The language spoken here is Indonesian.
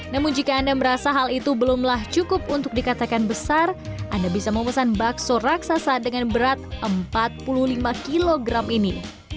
namun jika anda merasa hal itu belumlah cukup untuk dikatakan besar anda bisa memesan bakso raksasa dengan berat empat puluh lima kg ini